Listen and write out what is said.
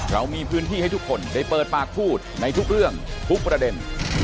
เรามีพื้นที่ให้ทุกคนได้เปิดปากพูดในทุกเรื่องทุกประเด็น